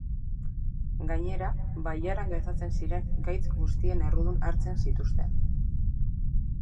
Gainera, bailaran gertatzen ziren gaitz guztien errudun hartzen zituzten.